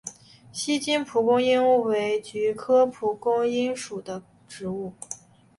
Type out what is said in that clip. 锡金蒲公英为菊科蒲公英属的植物。